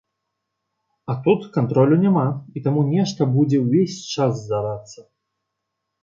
А тут кантролю няма, і таму нешта будзе ўвесь час здарацца.